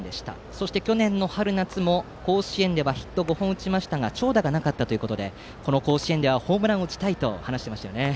そして去年の春夏も甲子園ではヒットを５本打ちましたが長打がなかったということでこの甲子園ではホームランを打ちたいと話していました。